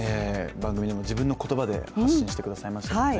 番組でも自分の言葉で発信してくださいましたね。